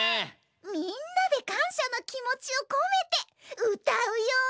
みんなでかんしゃのきもちをこめてうたうよ。